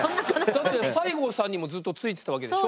だって西郷さんにもずっとついてたわけでしょ？